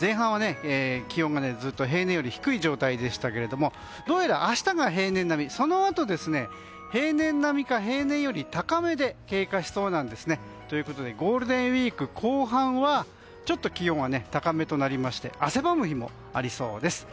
前半は気温が平年より低かったんですがどうやら明日は平年並みそのあと平年並みか平年より高めで経過しそうなんですね。ということでゴールデンウィーク後半は気温は高めとなりまして汗ばむ日もありそうです。